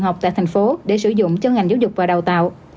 học tại thành phố để sử dụng cho ngành giáo dục và đào tạo